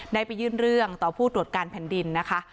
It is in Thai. ได้ไปยื่นเรื่องต่อผู้ตรวจการแผ่นดินนะคะ